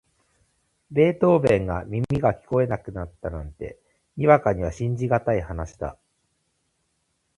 ベートーヴェンが耳が聞こえなかったなんて、にわかには信じがたい話だ。